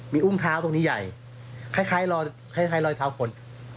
มีอุ้งเท้าตรงนี้ใหญ่คล้ายรอยเท้าคน